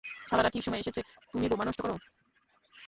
সালারা ঠিক সময়ে এসেছে, তুমি বোমা নষ্ট করো।